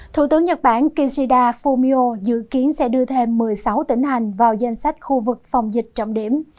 thủ tướng nhật bản kishida fumio dự kiến sẽ đưa thêm một mươi sáu tỉnh hành vào danh sách khu vực phòng dịch trọng điểm